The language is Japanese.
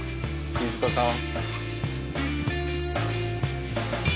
飯塚さん？